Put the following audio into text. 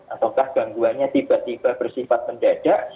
ataukah gangguannya tiba tiba bersifat mendadak